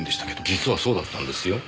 実はそうだったんですよ。